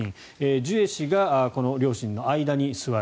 ジュエ氏が両親の間に座る。